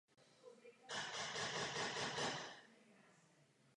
Obstarával sazenice z celého světa a měl tak hlavní zásluhu na vědecké hodnotě arboreta.